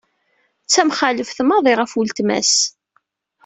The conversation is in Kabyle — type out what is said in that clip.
Tamxalaf maḍi ɣef uletma-s.